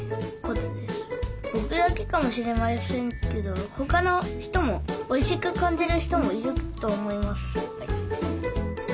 僕だけかもしれませんけど他の人もおいしく感じる人もいると思います。